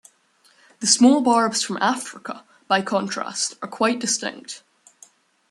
The small barbs from Africa, by contrast, are quite distinct.